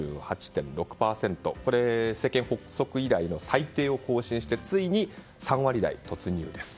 これは政権発足以来の最低を更新してついに３割台に突入です。